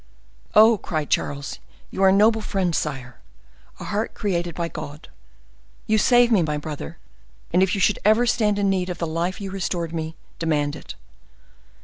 "Oh!" cried Charles; "you are a noble friend, sire—a heart created by God! You save me, my brother; and if you should ever stand in need of the life you restored me, demand it."